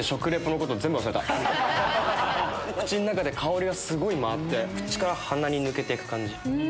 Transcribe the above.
口の中で香りが回って口から鼻に抜けてく感じ。